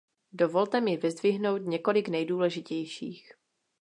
Dovolte mi vyzdvihnout několik nejdůležitějších.